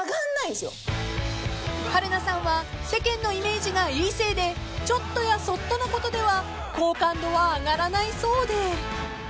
［春菜さんは世間のイメージがいいせいでちょっとやそっとのことでは好感度は上がらないそうで］